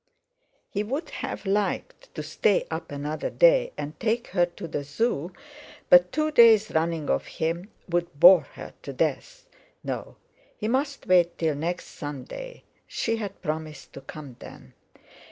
He would have liked to stay up another day and take her to the Zoo, but two days running of him would bore her to death. No, he must wait till next Sunday; she had promised to come then.